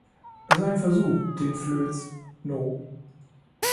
Sein Versuch, den Flöz "No.